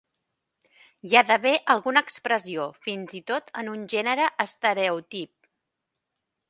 Hi ha d'haver alguna expressió, fins i tot en un gènere estereotip.